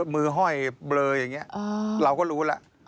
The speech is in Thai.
ห้อยเบลออย่างนี้เราก็รู้แล้ว